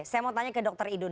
saya mau tanya ke dr idun